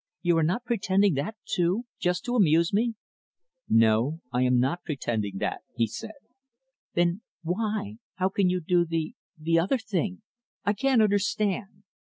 "You are not pretending that too just to amuse me?" "No, I am not pretending that," he said. "Then why how can you do the the other thing? I can't understand."